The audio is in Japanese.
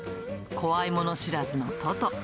怖いもの知らずのトト。